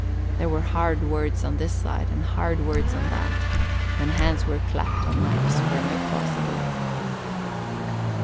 There were hard words on this side and hard words on that, and hands were clapped on knives for no cause at all.